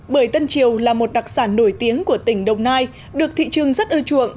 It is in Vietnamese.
bưởi tân triều là một đặc sản nổi tiếng của tỉnh đồng nai được thị trường rất ưa chuộng